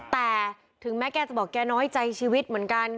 แต่ถึงแม้แกจะบอกแกน้อยใจชีวิตเหมือนกัน